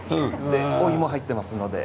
お芋が入っていますので。